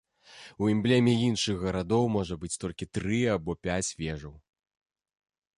У эмблеме іншых гарадоў можа быць толькі тры або пяць вежаў.